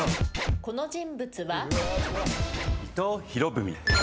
この人物は？え。